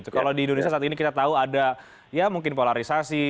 kalau di indonesia saat ini kita tahu ada ya mungkin polarisasi